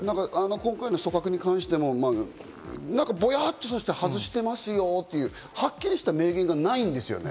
今回の組閣に関してもぼやっと外してますよって、はっきりした名言がない。